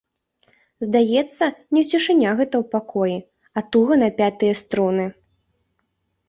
Здаецца, не цішыня гэта ў пакоі, а туга напятыя струны.